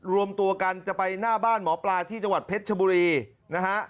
รวมตัวกันจะไปหน้าบ้านหมอปลาที่จังหวัดเพชรชบุรีนะฮะ